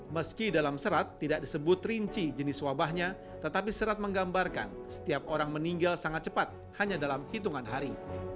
meski dalam serat tidak disebut rinci jenis wabahnya tetapi serat menggambarkan setiap orang meninggal sangat cepat hanya dalam hitungan hari